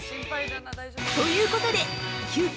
◆ということで、急遽！